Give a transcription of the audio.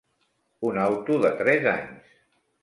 Un auto de tres anys.